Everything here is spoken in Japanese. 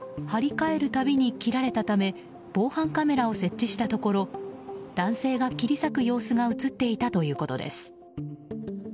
貼り替える度に切られたため防犯カメラを設置したところ男性が切り裂く様子が映っていたということです。